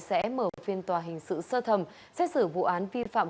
sẽ mở phiên tòa hình sự sơ thẩm xét xử vụ án vi phạm